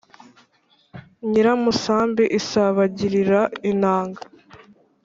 Nyiramusambi isabagirira inanga,